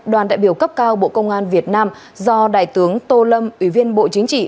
đoàn đại biểu cấp cao bộ công an việt nam do đại tướng tô lâm ủy viên bộ chính trị